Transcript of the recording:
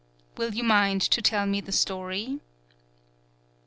Will you mind to tell me the story?"